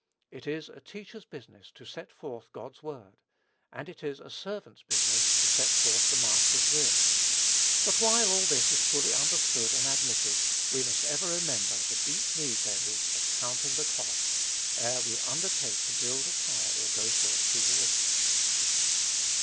It is a teacher's business to set forth God's Word; and it is a servant's business to set forth the Master's will; but while all this is fully understood and admitted, we must ever remember the deep need there is of counting the cost, ere we undertake to build a tower or go forth to war.